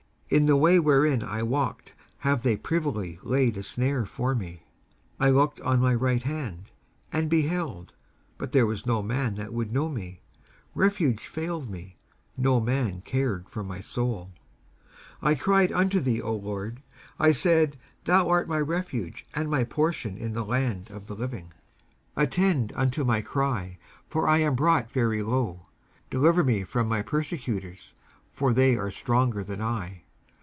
In the way wherein I walked have they privily laid a snare for me. 19:142:004 I looked on my right hand, and beheld, but there was no man that would know me: refuge failed me; no man cared for my soul. 19:142:005 I cried unto thee, O LORD: I said, Thou art my refuge and my portion in the land of the living. 19:142:006 Attend unto my cry; for I am brought very low: deliver me from my persecutors; for they are stronger than I.